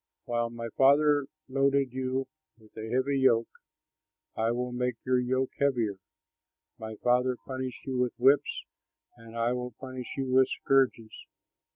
While my father loaded you with a heavy yoke, I will make your yoke heavier; my father punished you with whips, but I will punish you with scourges.'"